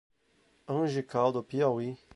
Angical do Piauí